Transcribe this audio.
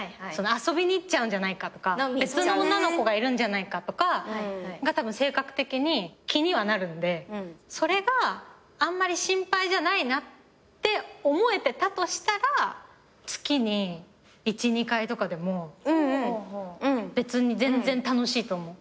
遊びに行っちゃうんじゃないかとか別の女の子がいるんじゃないかとかがたぶん性格的に気にはなるんでそれがあんまり心配じゃないなって思えてたとしたら月に１２回とかでも別に全然楽しいと思う。